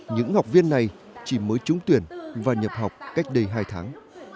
những học viên này chỉ mới trúng tuyển và nhập học cách đây hai tháng